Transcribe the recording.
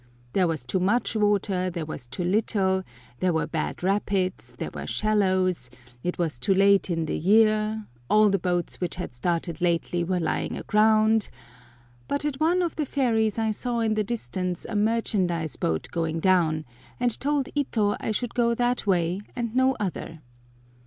There was too much water, there was too little; there were bad rapids, there were shallows; it was too late in the year; all the boats which had started lately were lying aground; but at one of the ferries I saw in the distance a merchandise boat going down, and told Ito I should go that way and no other.